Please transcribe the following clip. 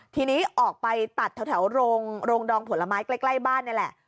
ทีนี้ออกไปตัดแถวโรงดองผลไม้ใกล้บ้านนี่แหละ